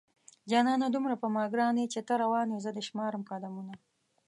جانانه دومره په ما گران يې چې ته روان يې زه دې شمارم قدمونه